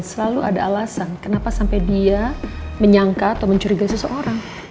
selalu ada alasan kenapa sampai dia menyangka atau mencurigai seseorang